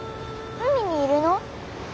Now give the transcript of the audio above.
海にいるの？